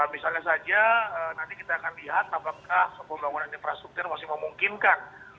misalnya saja nanti kita akan lihat apakah pembangunan infrastruktur masih memungkinkan